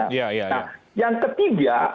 nah yang ketiga